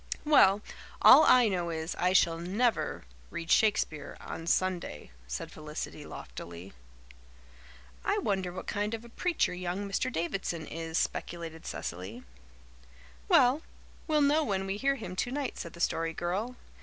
"Well, all I know is, I shall never read Shakespeare on Sunday," said Felicity loftily. "I wonder what kind of a preacher young Mr. Davidson is," speculated Cecily. "Well, we'll know when we hear him tonight," said the Story Girl.